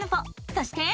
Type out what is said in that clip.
そして。